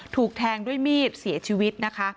ถูกแทงด้วยมีดเสียชีวิตนะคะ